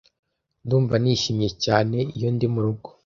Ndumva nishimye cyane iyo ndi murugo